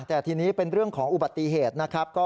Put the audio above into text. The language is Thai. แต่ทีนี้เป็นเรื่องของอุบัติเหตุนะครับ